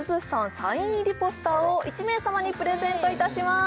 サイン入りポスターを１名様にプレゼントいたします